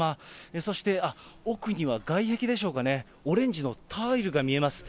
そして、あっ、奥には外壁でしょうかね、オレンジのタイルが見えます。